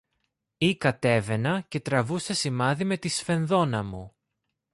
ή κατέβαινα και τραβούσα σημάδι με τη σφενδόνα μου